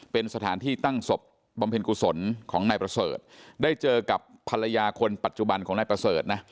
เป็นสถานที่ตั้งศพบำเพ็ญกุศลของนายประเสริฐได้เจอกับภรรยาคนปัจจุบันของนายประเสริฐนะ